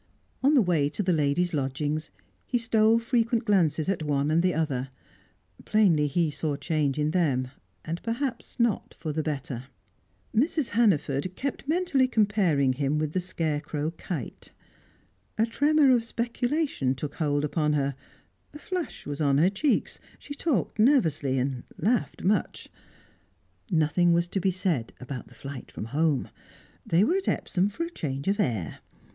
On the way to the ladies' lodgings, he stole frequent glances at one and the other; plainly he saw change in them, and perhaps not for the better. Mrs. Hannaford kept mentally comparing him with the scarecrow Kite. A tremor of speculation took hold upon her; a flush was on her cheeks, she talked nervously, laughed much. Nothing was to be said about the flight from home; they were at Epsom for a change of air.